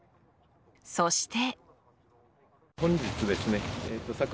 そして。